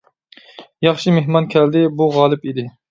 — ياخشى مېھمان كەلدى، — بۇ غالىپ ئىدى.